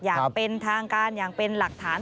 อย่างเป็นทางการอย่างเป็นหลักฐาน